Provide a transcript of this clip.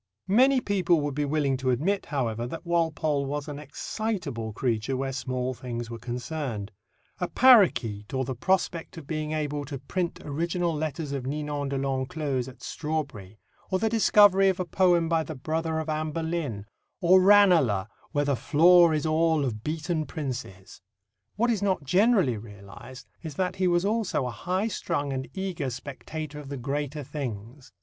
Many people would be willing to admit, however, that Walpole was an excitable creature where small things were concerned a parroquet or the prospect of being able to print original letters of Ninon de l'Enclos at Strawberry, or the discovery of a poem by the brother of Anne Boleyn, or Ranelagh, where "the floor is all of beaten princes." What is not generally realized is that he was also a high strung and eager spectator of the greater things.